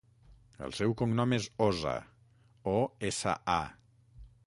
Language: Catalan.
El seu cognom és Osa: o, essa, a.